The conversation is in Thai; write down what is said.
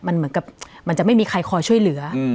มันเหมือนกับมันจะไม่มีใครคอยช่วยเหลือ